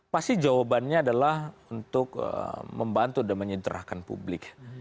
pasti jawabannya adalah untuk membantu dan menyederahkan publik